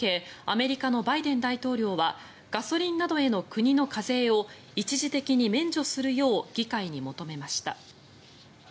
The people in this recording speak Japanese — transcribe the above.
アメリカのバイデン大統領はガソリンなどへの国の課税を一時的に免除するよう議会に求めました。